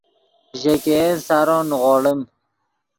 ژے ګئین سورو نیغوڑیم